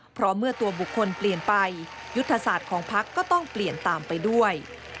เพราะเมื่อตัวบุคคลเปลี่ยนไปยุทธศาสตร์ของพักก็ต้องเปลี่ยนตามไปด้วย